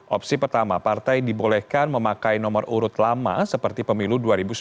opsi pertama partai dibolehkan memakai nomor urut lama seperti pemilu dua ribu sembilan belas